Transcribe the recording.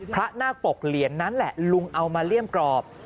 นาคปกเหรียญนั้นแหละลุงเอามาเลี่ยมกรอบ